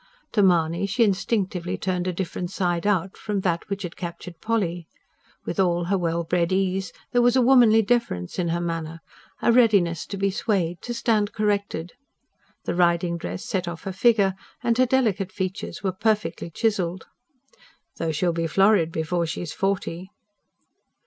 To Mahony she instinctively turned a different side out, from that which had captured Polly. With all her well bred ease, there was a womanly deference in her manner, a readiness to be swayed, to stand corrected. The riding dress set off her figure; and her delicate features were perfectly chiselled. ("Though she'll be florid before she's forty.")